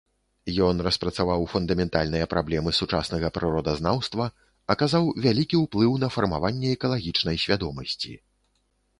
Ён распрацаваў фундаментальныя праблемы сучаснага прыродазнаўства, аказаў вялікі ўплыў на фармаванне экалагічнай свядомасці.